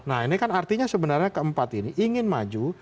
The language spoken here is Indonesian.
nah ini kan artinya sebenarnya keempat ini ingin maju